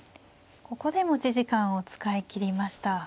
ここで持ち時間を使い切りました。